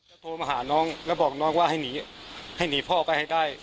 ส่วนผลการตรวจร่างกายของลูกสาวพบร่องรอยการถูกกระทำชำระวจริงและตอนนี้ก็มีภาวะซึมเศร้าด้วยนะครับ